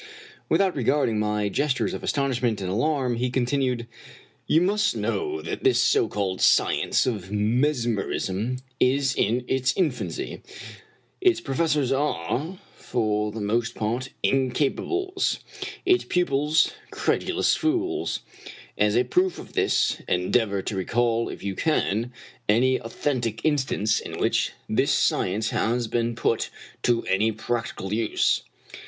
Without regarding my gestures of astonishment and alarm, he continued: " You must know that this so called science of mes merism is in its infancy. Its professors are, for the most part, incapables; its pupils, credulous fools. As a jwoof of this, endeavor to recall, if you can, any authentic in stance in which this science has been put to any practical use.